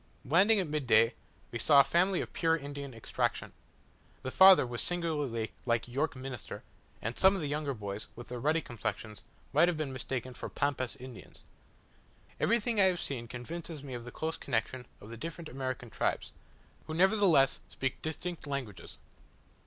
Landing at midday, we saw a family of pure Indian extraction. The father was singularly like York Minster; and some of the younger boys, with their ruddy complexions, might have been mistaken for Pampas Indians. Everything I have seen, convinces me of the close connexion of the different American tribes, who nevertheless speak distinct languages.